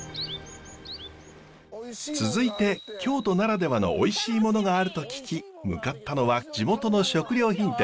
続いて京都ならではのおいしいものがあると聞き向かったのは地元の食料品店。